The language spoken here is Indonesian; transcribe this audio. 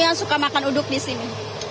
yang suka makan uduk di sini